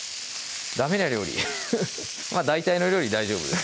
ダメな料理まぁ大体の料理大丈夫です